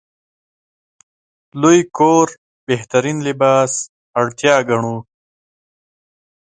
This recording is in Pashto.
لوی کور بهترین لباس اړتیا ګڼو.